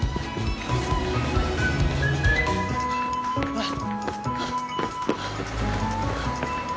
あっ。